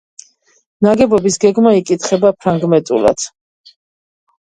ნაგებობის გეგმა იკითხება ფრაგმენტულად.